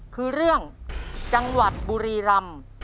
คือเรื่องจังหวัดบุรีรำ